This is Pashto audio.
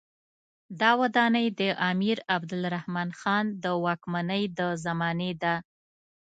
دا ودانۍ د امیر عبدالرحمن خان د واکمنۍ د زمانې ده.